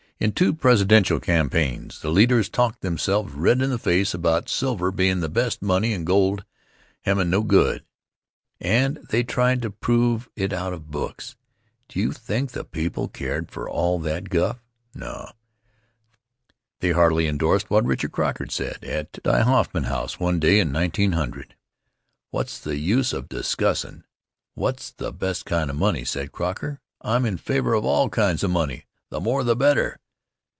In two Presidential campaigns, the leaders talked themselves red in the face about silver bein' the best money and gold hem' no good, and they tried to prove it out of books. Do you think the people cared for all that guff? No. They heartily indorsed what Richard Croker said at die Hoffman House one day in 1900. "What's the use of discussin' what's the best kind of money?" said Croker. "I'm in favor of all kinds of money the more the better."